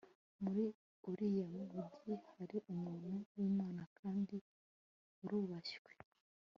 muri uriya mugi hari umuntu w'imana kandi arubashywe